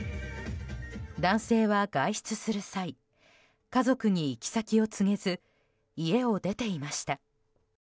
男性は、外出する際家族に行き先を告げず家を出ていました。